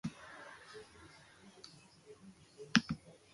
Istorio batek kontatu ahal izateko bezain aparta izan behar du.